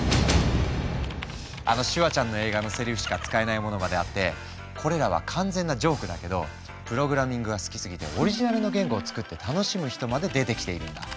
あのシュワちゃんの映画のセリフしか使えないものまであってこれらは完全なジョークだけどプログラミングが好きすぎてオリジナルの言語を作って楽しむ人まで出てきているんだ。